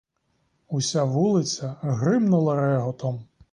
Уся вулиця гримнула реготом.